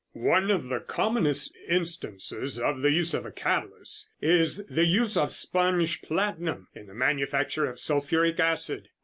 "One of the commonest instances of the use of a catalyst is the use of sponge platinum in the manufacture of sulphuric acid.